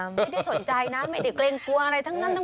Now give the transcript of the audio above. ไม่ได้สนใจนะไม่ได้เกรงกลัวอะไรทั้งนั้น